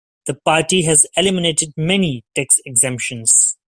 The party has eliminated many tax exemptions.